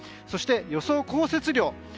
そして、予想降雪量。